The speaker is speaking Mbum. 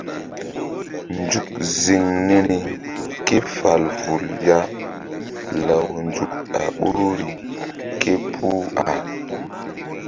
Nzuk ziŋ niri ke fal vul ya law nzuk a ɓoruri képuh a.